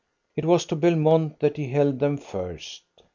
It was to Belmont that he held them first.